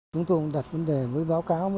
chúng tôi đặt vấn đề với báo cáo